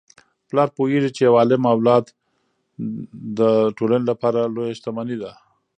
پلار پوهیږي چي یو عالم اولاد د ټولنې لپاره لویه شتمني ده.